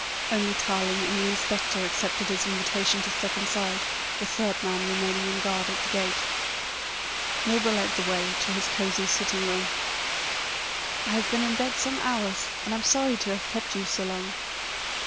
Only Tarling and the Inspector accepted his invitation to step inside, the third man remaining on guard at the gate. Milburgh led the way to his cosy sitting room. "I have been in bed some hours, and I'm sorry to have kept you so long."